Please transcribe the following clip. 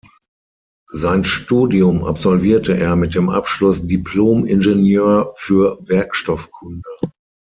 Sein Studium absolvierte er mit dem Abschluss "Diplom-Ingenieur für Werkstoffkunde".